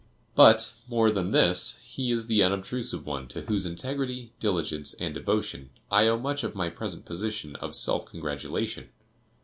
But, more than this, he is the unobtrusive one to whose integrity, diligence and devotion, I owe much of my present position of self congratulation.